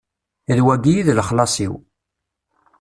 D wagi i d lexlaṣ-iw.